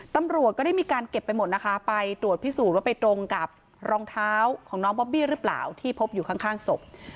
ตำรวจก็ได้มีการเก็บไปหมดนะคะไปตรวจพิสูจน์ว่าไปตรงกับรองเท้าของน้องบอบบี้หรือเปล่าที่พบอยู่ข้างศพ